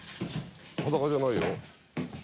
裸じゃないよ。